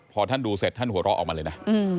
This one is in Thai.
พอท่านดูเสร็จท่านหัวเราะออกมาเลยนะ